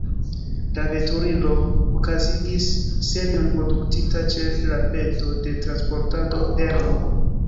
La veturilo okazigis serion produktita ĉe la peto de Transportado Perlo.